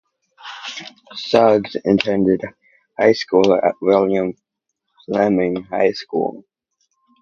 Suggs attended high school at William Fleming High School.